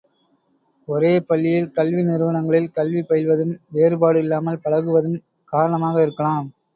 ஒரே பள்ளியில் கல்வி நிறுவனங்களில் கல்வி பயில்வதும் வேறுபாடு இல்லாமல் பழகுவதும் காரணமாக இருக்கலாம்.